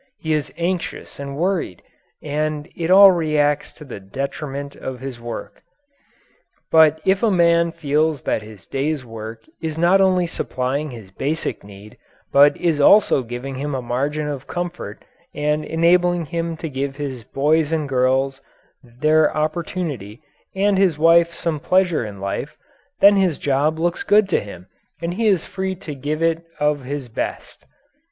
He is anxious and worried, and it all reacts to the detriment of his work. But if a man feels that his day's work is not only supplying his basic need, but is also giving him a margin of comfort and enabling him to give his boys and girls their opportunity and his wife some pleasure in life, then his job looks good to him and he is free to give it of his best.